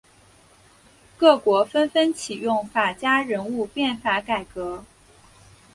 各国纷纷启用法家人物变法改革。